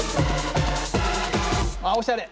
あおしゃれ！